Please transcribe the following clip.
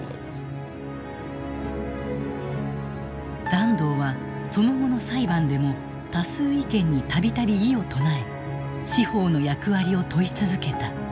團藤はその後の裁判でも多数意見に度々異を唱え司法の役割を問い続けた。